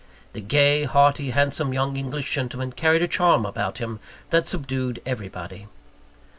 The gay, hearty, handsome young English gentleman carried a charm about him that subdued everybody.